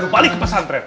balik ke pesantren